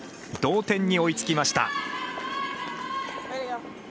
同点に追いつきました。